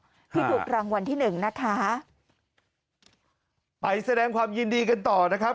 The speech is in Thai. ที่ถูกรางวัลที่หนึ่งนะคะไปแสดงความยินดีกันต่อนะครับ